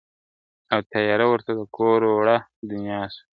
او تیاره ورته د کور وړه دنیا سوه !.